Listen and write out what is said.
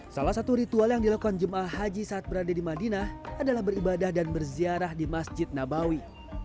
salah satu ritual yang dilakukan jemaah haji saat berada di madinah adalah beribadah dan berziarah di masjid nabawi